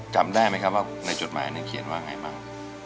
จำได้ไหมในจดหมายเขียนว่าอะไรมาก